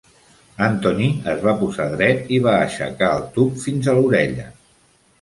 Anthony es va posar dret i va aixecar el tub fins a l'orella.